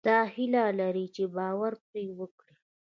دا هيله لرئ چې باور پرې وکړئ.